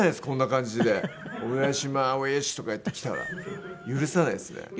こんな感じで「お願いしまうぃっしゅ！」とかやってきたら許さないですね。